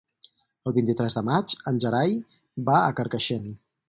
El vint-i-tres de maig en Gerai va a Carcaixent.